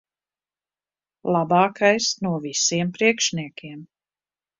Labākais no visiem priekšniekiem.